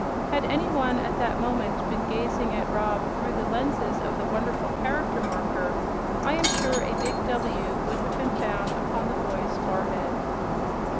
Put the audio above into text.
Had any one, at that moment, been gazing at Rob through the lenses of the wonderful Character Marker, I am sure a big "W" would have been found upon the boy's forehead.